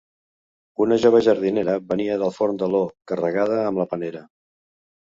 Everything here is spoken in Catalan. Una jove jardinera venia del Fort de Lo, carregada amb la panera.